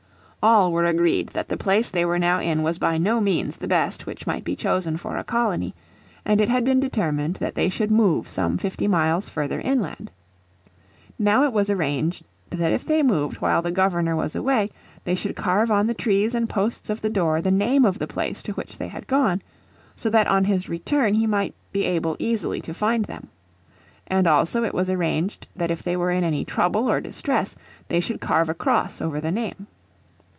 All were agreed that the place they were now in was by no means the best which might be chosen for a colony, and it had been determined that they should move some fifty miles further inland. Now it was arranged that if they moved while the Governor was away they should carve on the trees and posts of the door the name of the place to which they had gone, so that on his return he might be able easily to find them. And also it was arranged that if they were in any trouble or distress they should carve a cross over the name.